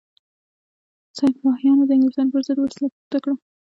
سپاهیانو د انګلیسانو پر ضد وسله پورته کړه.